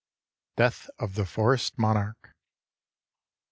DEATH OF THE FOREST MONARCH.